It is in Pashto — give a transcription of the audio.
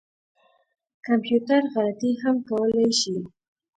کمپیوټر غلطي هم کولای شي